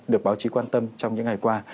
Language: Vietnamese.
được báo chí quan tâm trong những ngày qua